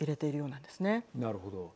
なるほど。